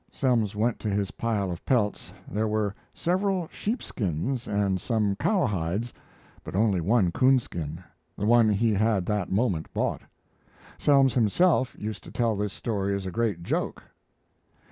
Selms went to his pile of pelts. There were several sheepskins and some cowhides, but only one coonskin the one he had that moment bought. Selms himself used to tell this story as a great joke.